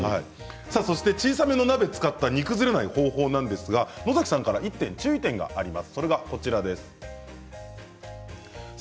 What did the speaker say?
それから小さめの鍋を使った煮崩れない方法ですが野崎さんから１点注意点があります。